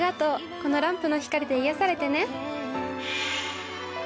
このランプの光で癒やされてね。